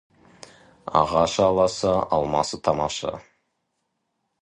Ағашы аласа, алмасы тамаша.